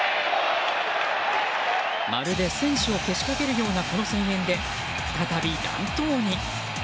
まるで選手をけしかけるようなこの声援で、再び乱闘に。